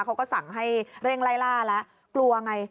เขาก็สั่งให้เร่งไล่ล่าแล้วกลัวไง